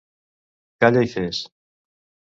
Calla i fes.